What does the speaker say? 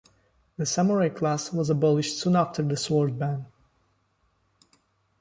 The samurai class was abolished soon after the sword ban.